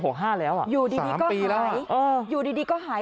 กลับมาพร้อมขอบความ